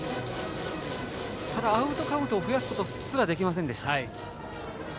ただ、アウトカウントを増やすことすらできませんでした。